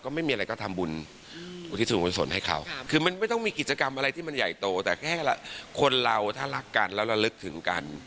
ไม่มีอะไรก็ทำบุญอุทิศส่วนกุศลให้เขาคือมันไม่ต้องมีกิจกรรมอะไรที่มันใหญ่โตแต่แค่คนเราถ้ารักกันแล้วระลึกถึงกัน